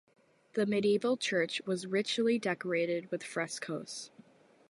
The medieval church was richly decorated with frescos.